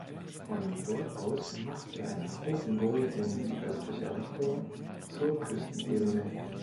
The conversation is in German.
Von dort aus macht er einem großen Bogen in südöstlicher Richtung zur Küstenebene hin.